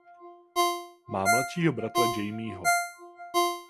Má mladšího bratra Jamieho.